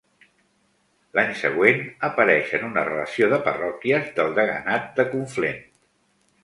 L'any següent apareix en una relació de parròquies del deganat de Conflent.